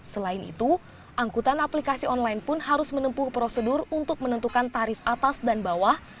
selain itu angkutan aplikasi online pun harus menempuh prosedur untuk menentukan tarif atas dan bawah